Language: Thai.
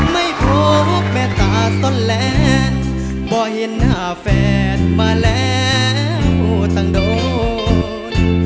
ไม่พบแม่ตาต้นแรงบ่เห็นหน้าแฟนมาแล้วต่างโดน